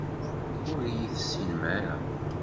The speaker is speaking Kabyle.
Ur iyi-tessinem ara.